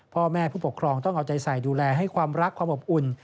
พ่อแม่ผู้ปกครองต้องเอาใจใส่ดูแลให้ความรักความอบอุ่น